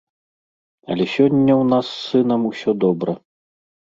Але сёння ў нас з сынам усё добра.